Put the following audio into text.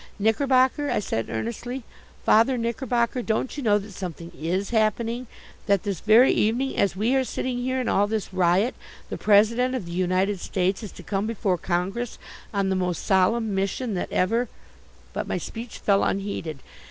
"Knickerbocker," I said earnestly, "Father Knickerbocker, don't you know that something is happening, that this very evening as we are sitting here in all this riot, the President of the United States is to come before Congress on the most solemn mission that ever " But my speech fell unheeded.